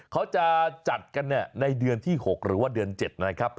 เขาจะจัดกันในเดือนที่๖หรือว่าเดือน๗นะครับ